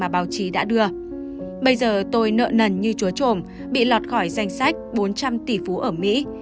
bây giờ tôi nợ nần như chúa chồm bị lọt khỏi danh sách bốn trăm linh tỷ phú ở mỹ